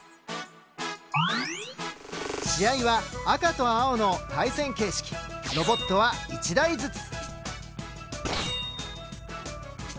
試合は赤と青の対戦形式ロボットは１台ずつ。